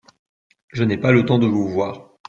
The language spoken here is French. Je n’ai pas le temps de vous voir.